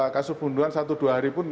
kasus bunduan satu dua hari pun